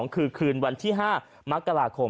คือคืนวันที่๕มค